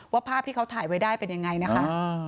ภาพที่เขาถ่ายไว้ได้เป็นยังไงนะคะ